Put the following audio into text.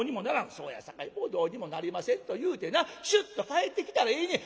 「『そうやさかいもうどうにもなりません』と言うてなシュッと帰ってきたらええねん。